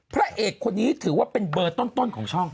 พระเอกคนนี้ถือว่าเป็นเบอร์ต้นของช่อง